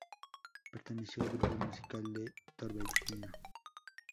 Perteneció al grupo musical Torbellino.